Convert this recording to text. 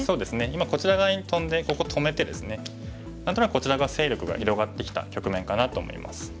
今こちら側にトンでここ止めてですね何となくこちらが勢力が広がってきた局面かなと思います。